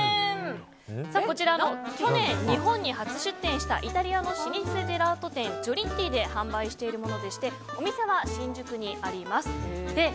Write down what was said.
こちら、去年日本に初出店したイタリアの老舗ジェラート店Ｇｉｏｌｉｔｔｉで販売しているものでしてお店は新宿にあります。